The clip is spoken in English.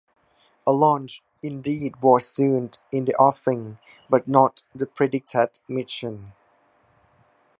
A launch indeed was soon in the offing, but not the predicted mission.